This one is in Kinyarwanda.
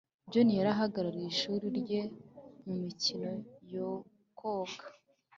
john yari ahagarariye ishuri rye mumikino yo koga